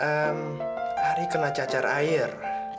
ehm ari kena cacar air